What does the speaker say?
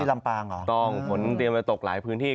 ที่ลำปากเหรอใช่ดาของกูเขาต้องตรงตกหลายพื้นที่